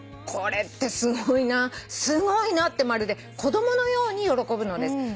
「これってすごいなすごいなってまるで子供のように喜ぶのです」